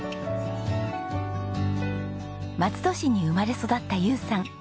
松戸市に生まれ育った友さん。